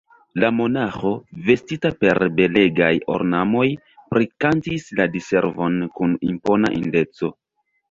La monaĥo, vestita per belegaj ornamoj, prikantis la Diservon kun impona indeco.